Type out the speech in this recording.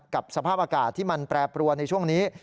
กับสภาพอากาศที่มันแปรปรวนในช่วงนี้